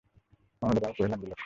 অন্নদাবাবু কহিলেন, বিলক্ষণ!